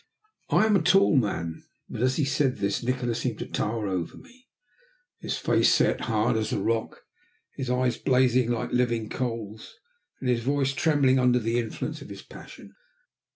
I am a tall man, but as he said this Nikola seemed to tower over me, his face set hard as a rock, his eyes blazing like living coals, and his voice trembling under the influence of his passion.